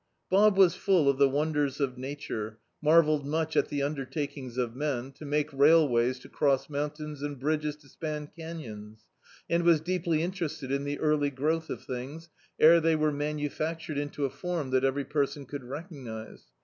Bob was full of the wonders of Nature, marvelled much at the undertakings of men, to make railways to cross mountains and bridges to span canyons; and was deeply interested in the early growth of things, ere they were manufactured into a form that every person could recc^nise.